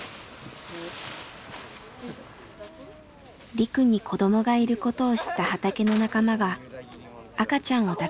リクに子どもがいることを知った畑の仲間が赤ちゃんを抱かせてくれました。